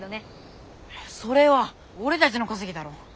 それは俺たちの稼ぎだろ！